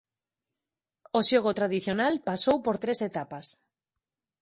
O xogo tradicional pasou por tres etapas.